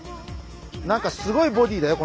なんかすごいボディーだよ